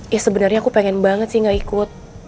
ya sebenarnya aku pengen banget sih gak ikut